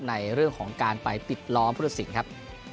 ในเรื่องของการไปปิดล้อมพุทธศิลป์ครับ